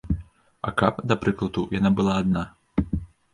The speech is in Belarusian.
А каб, да прыкладу, яна была адна?